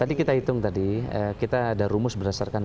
tadi kita hitung tadi kita ada rumus berdasarkan